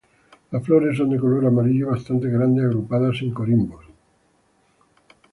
Las flores son de color amarillo, bastante grandes, agrupadas en corimbos.